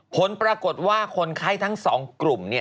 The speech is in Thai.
ผลปรากฏว่าคนไข้ทั้ง๒กลุ่ม